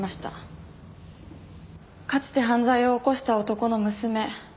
かつて犯罪を起こした男の娘。